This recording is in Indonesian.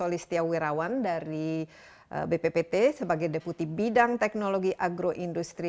dan dr wistia wirawan dari bppt sebagai deputi bidang teknologi agroindustri